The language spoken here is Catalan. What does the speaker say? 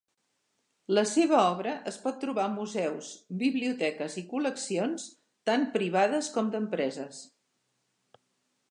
La seva obra es pot trobar a museus, biblioteques i col·leccions tant privades com d'empreses.